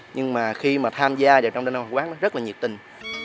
nhưng mà khi mà tham gia vào trong đại nam hội quán rất là nhiệt tình